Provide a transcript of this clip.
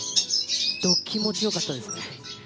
ド気持ちよかったですね。